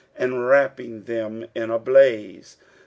and wrapping them in a blaze.